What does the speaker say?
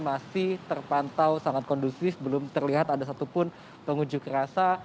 masih terpantau sangat kondusif belum terlihat ada satupun pengunjuk rasa